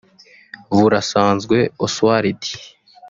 Burasanzwe Osuald